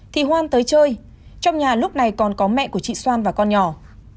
thì hoan tới chơi trong nhà lúc này còn có mẹ của chị xoan và con nhỏ